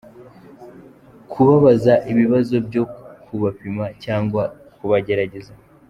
Kubabaza ibibazo byo kubapima cyangwa kubagerageza.